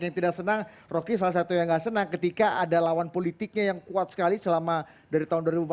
yang tidak senang rocky salah satu yang gak senang ketika ada lawan politiknya yang kuat sekali selama dari tahun dua ribu empat belas